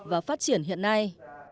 và phát triển hiện nay